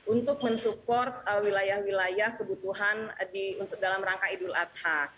untuk mensupport wilayah wilayah kebutuhan dalam rangka idul adha